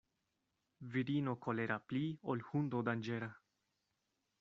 Virino kolera pli ol hundo danĝera.